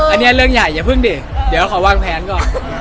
อันนี้เรื่องใหญ่อย่าเพิ่งดิเดี๋ยวขอวางแผนก่อน